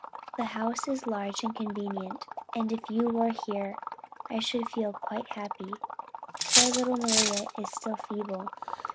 The house is large and convenient, and if you were here I should feel quite happy.... Poor little Maria is still feeble....